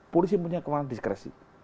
polisi punya kemanusiaan diskresi